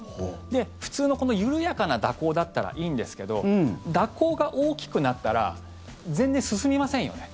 普通の緩やかな蛇行だったらいいんですけど蛇行が大きくなったら全然進みませんよね。